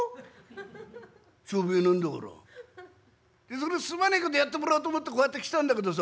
「それすまねえけどやってもらおうと思ってこうやって来たんだけどさ」。